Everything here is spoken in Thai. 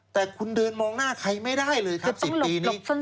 แต่คุณเดินมองหน้าใครไม่ได้เลยครับ๑๐ปีนี้